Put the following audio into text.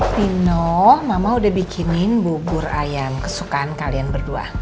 fino mama udah bikinin bubur ayam kesukaan kalian berdua